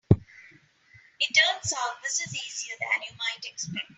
It turns out this is easier than you might expect.